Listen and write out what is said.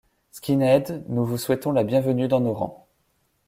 Skinheads, nous vous souhaitons la bienvenue dans nos rangs.